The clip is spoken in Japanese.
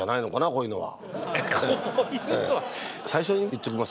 こういうのは？